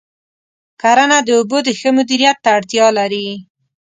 کرنه د اوبو د ښه مدیریت ته اړتیا لري.